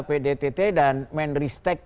pdtt dan menristek